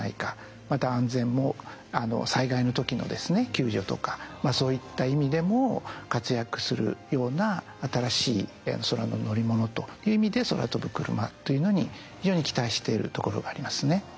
また安全も災害の時の救助とかそういった意味でも活躍するような新しい空の乗り物という意味で空飛ぶクルマというのに非常に期待してるところがありますね。